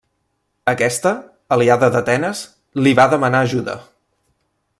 Aquesta, aliada d'Atenes, li va demanar ajuda.